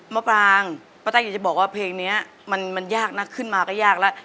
มะปรางป้าตังอยากจะบอกว่าเพลงนี้มันยากนักขึ้นมาก็ยากแล้ว